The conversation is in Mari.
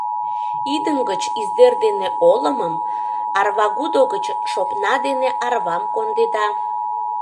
Идым гыч издер дене олымым, арвагудо гыч шопна дене арвам кондеда.